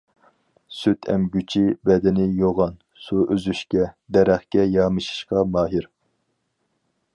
سۈت ئەمگۈچى، بەدىنى يوغان، سۇ ئۈزۈشكە، دەرەخكە يامىشىشقا ماھىر.